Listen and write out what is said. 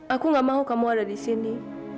aku gak mau kamu ada di sini